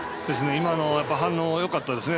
今のは反応よかったですね。